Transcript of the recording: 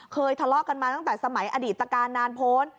ทะเลาะกันมาตั้งแต่สมัยอดีตการนานพ้น